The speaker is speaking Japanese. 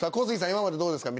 今までどうですか？